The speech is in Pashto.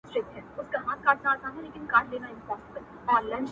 • جهاني طبیب مي راکړه د درمل په نامه زهر ,